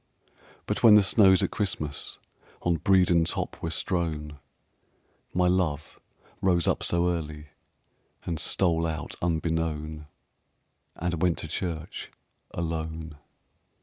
But when the snows at Christmas On Bredon top were strown, My love rose up so early And stole out unbeknown And went to church alone.